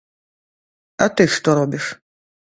А ты што робіш?